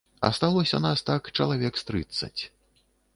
Асталося нас так чалавек з трыццаць.